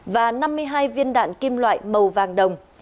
và năm mươi hai viên đạn kim loại màu vàng đồng